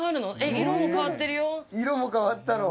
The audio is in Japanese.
色も変わったの。